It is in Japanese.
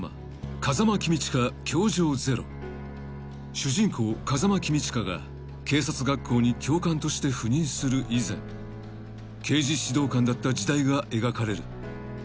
［主人公風間公親が警察学校に教官として赴任する以前刑事指導官だった時代が描かれる］